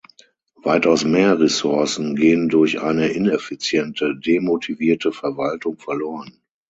Weitaus mehr Ressourcen gehen durch eine ineffiziente, demotivierte Verwaltung verloren.